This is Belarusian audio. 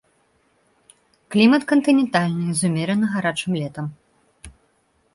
Клімат кантынентальны з умерана гарачым летам.